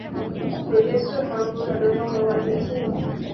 首先是航图的流通和完整性。